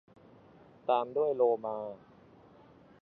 ตามด้วยโลมา